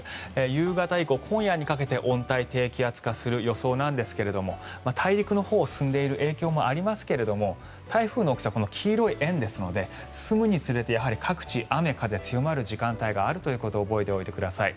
夕方以降、今夜にかけて温帯低気圧化する予想なんですが大陸のほうを進んでいる影響もありますけども台風の大きさこの黄色い円ですので進むにつれてやはり各地雨、風強まる時間帯があるということを覚えておいてください。